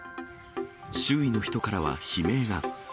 周囲の人からは悲鳴が。